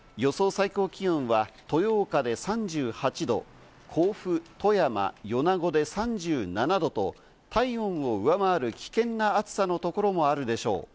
最高気温は豊岡で３８度、甲府、富山、米子で３７度と体温を上回る危険な暑さのところもあるでしょう。